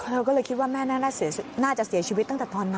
เราก็เลยคิดว่าแม่น่าจะเสียชีวิตตั้งแต่ตอนนั้น